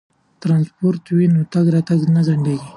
که ترانسپورت وي نو تګ راتګ نه ځنډیږي.